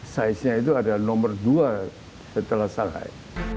saiznya itu adalah nomor dua setelah shanghai